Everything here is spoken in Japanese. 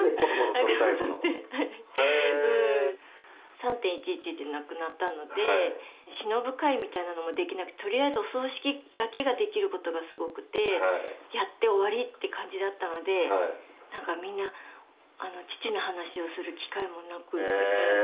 ３・１１で亡くなったので偲ぶ会みたいなのもできなくてとりあえずお葬式だけができることがすごくてやって終わりって感じだったので何かみんな父の話をする機会もなくって。